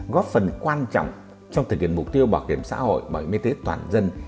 góp phần quan trọng trong thực hiện mục tiêu bảo hiểm xã hội bảo hiểm y tế toàn dân